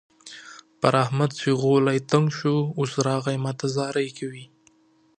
پر احمد چې غولی تنګ شو؛ اوس راغی ما ته زارۍ کوي.